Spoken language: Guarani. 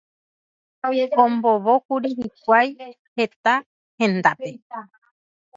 Ombovókuri hikuái heta hendápe.